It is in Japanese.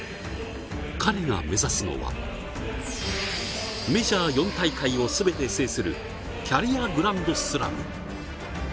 彼が目指すのは、メジャー４大会を全て制するキャリアグランドスラム。